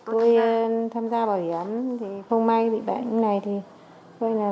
tôi tham gia bảo hiểm hôm nay bị bệnh này